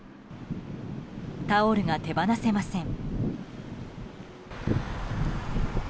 タオルが手放せません。